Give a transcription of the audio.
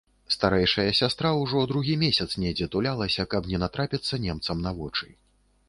Старэйшая сястра ўжо другі месяц недзе тулялася, каб не натрапіцца немцам на вочы.